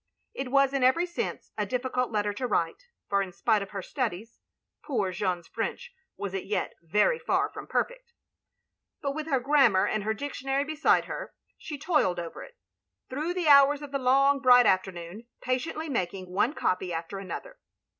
It was in every sense a diflScult letter to write, for in spite of her studies, poor Jeanne's French was as yet very fer from perfect. But with her grammar and her dictionary beside her, she toiled ovdr it, through the hours of the long, bright afternoon, patiently maldng one copy after another.